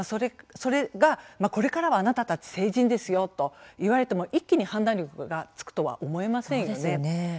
それが、これからはあなたたち成人ですよと言われても一気に判断力がつくとは思えませんよね。